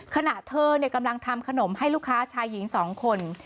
ขณะเธอกำลังทำขนมให้ลูกค้าชายหญิง๒คน